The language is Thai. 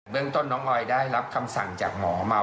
เรื่องต้นน้องออยได้รับคำสั่งจากหมอมา